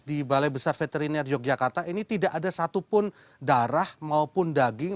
di balai besar veteriner yogyakarta ini tidak ada satupun darah maupun daging